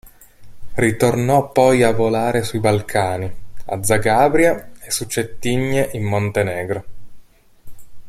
Ritornò poi a volare sui Balcani, a Zagabria e su Cettigne in Montenegro.